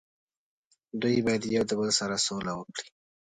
دوي باید یو د بل سره سوله وکړي